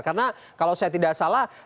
karena kalau saya tidak salah